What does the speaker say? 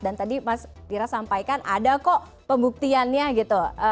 dan tadi mas dira sampaikan ada kok pembuktiannya gitu